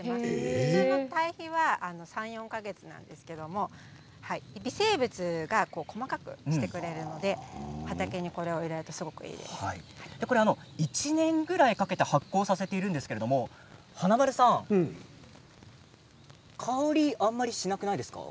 普通の堆肥は３、４か月なんですけど微生物が細かくしてくれるので畑にこれを入れると１年ぐらいかけて発酵させているんですけど華丸さんはい。